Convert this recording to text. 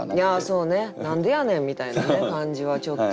そうね「何でやねん」みたいなね感じはちょっと。